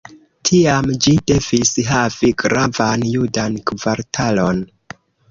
Tiam ĝi devis havi gravan judan kvartalon.